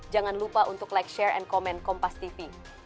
jangan lupa untuk like share and comment kompas tv